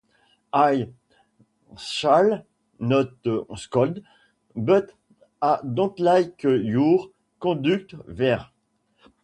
I shall not scold, but I don’t like your conduct there.